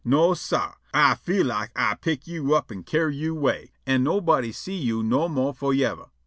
No, sah. Ah feel like Ah pick yo' up an' carry yo' away, an' nobody see you no more for yever.